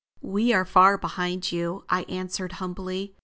"We are far behind you," I answered humbly.